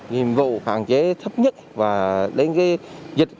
nhiệm vụ phản chế thấp nhất